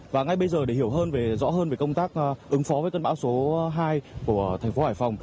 và ngay bây giờ để hiểu rõ hơn về công tác ứng phó với cơn bão số hai của tp hải phòng